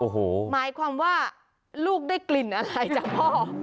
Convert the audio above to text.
หมายความว่าลูกได้กลิ่นอะไรจากพ่อ